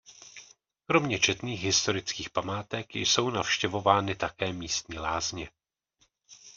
Kromě četných historických památek jsou navštěvovány také místní lázně.